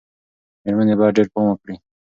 مېرمنې باید ډېر پام وکړي.